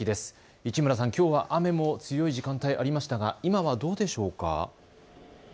市村さん、きょうは雨の強い時間帯ありましたが今はどうでしょうか。